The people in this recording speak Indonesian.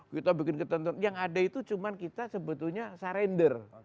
kita bikin ketentuan yang ada itu cuma kita sebetulnya sarender